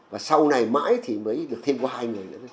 và sau này mãi thì mới được thêm có hai người nữa